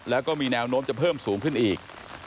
แล้วก็มีแนวโน้มจะเพิ่มสูงขึ้นอีก